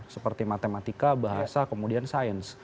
seperti matematika bahasa kemudian sains